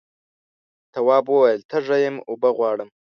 تواب وویل تږی یم اوبه غواړم.